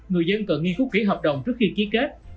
người dân cần nghiên cứu kỹ hợp đồng trước khi ký kết